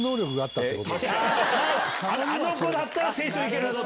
あの子だったら聖書いけるぞ！